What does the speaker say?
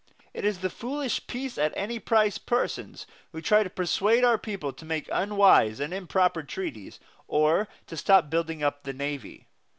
It is the foolish, peace at any price persons who try to persuade our people to make unwise and improper treaties, or to stop building up the navy.